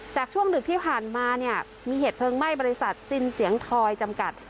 ช่วงดึกที่ผ่านมาเนี่ยมีเหตุเพลิงไหม้บริษัทซินเสียงทอยจำกัด